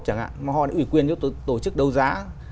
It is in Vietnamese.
chẳng hạn mà họ ủy quyền cho tổ chức đấu giá